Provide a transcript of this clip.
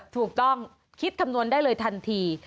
ถูกต้องคิดคำนวณได้เลยทันที